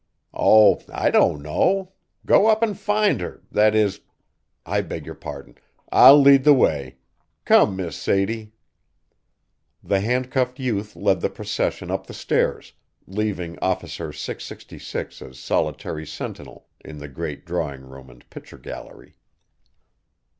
"Oh, I don't know go up and find her, that is I beg your pardon I'll lead the way come, Miss Sadie." The handcuffed youth led the procession up the stairs, leaving Officer 666 as solitary sentinel in the great drawing room and picture gallery.